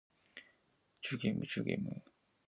Yooz quij cohyacaaixaj.